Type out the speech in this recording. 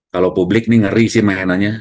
kalau publik ini ngeri sih mainannya